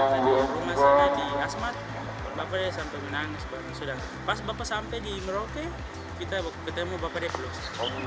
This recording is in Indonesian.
tadi rumah saya di asmat bapak saya sampai menangis pas bapak sampai di merauke kita ketemu bapak saya terus